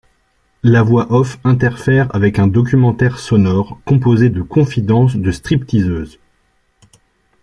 La voix off interfère avec un documentaire sonore composé de confidences de stripteaseuses.